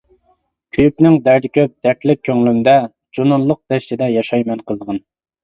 كۆيۈكنىڭ دەردى كۆپ دەردلىك كۆڭلۈمدە، جۇنۇنلۇق دەشتىدە ياشايمەن قىزغىن.